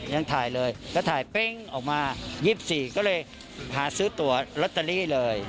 ยังถ่ายเลยก็ถ่ายเป้งออกมา๒๔ก็เลยหาซื้อตัวลอตเตอรี่เลย